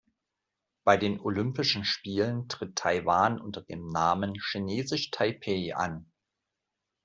Bei den Olympischen Spielen tritt Taiwan unter dem Namen „Chinesisch Taipeh“ an.